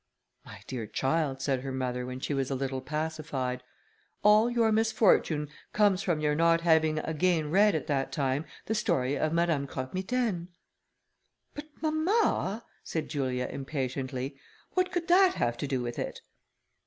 "My dear child," said her mother, when she was a little pacified, "all your misfortune comes from your not having again read, at that time, the story of Madame Croque Mitaine." "But, mamma," said Julia impatiently, "what could that have to do with it?"